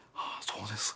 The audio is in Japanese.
そうです